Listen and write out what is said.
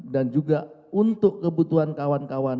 dan juga untuk kebutuhan kawan kawan